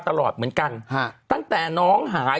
ตลอดเหมือนกันฮะตั้งแต่น้องหาย